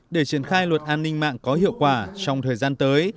để triển khai luật an ninh mạng có hiệu quả trong thời gian tới